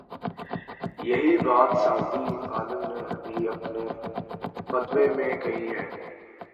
یہی بات سعودی عالم نے بھی اپنے فتوے میں کہی ہے۔